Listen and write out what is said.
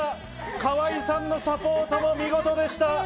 河井さんのサポートも見事でした。